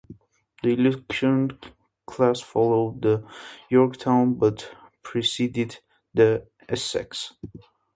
The "Illustrious" class followed the "Yorktown" but preceded the "Essex".